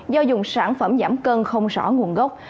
do dùng sản phẩm giảm cân không rõ nguồn gốc